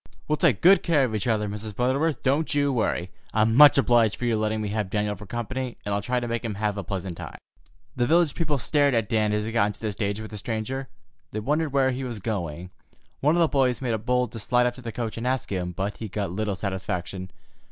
"We'll take good care of each other, Mrs. Butterworth; don't you worry. I'm much obliged for your letting me have Daniel for company, and I'll try to make him have a pleasant time." The village people stared at Dan as he got into the stage with the stranger. They wondered where he was going. One of the boys made bold to slide up to the coach and ask him, but he got little satisfaction.